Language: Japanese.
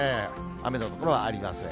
雨の所はありません。